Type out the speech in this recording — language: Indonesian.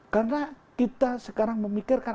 karena kita sekarang memikirkan